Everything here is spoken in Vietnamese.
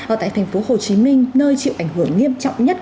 ở tại thành phố hồ chí minh nơi chịu ảnh hưởng nghiêm trọng nhất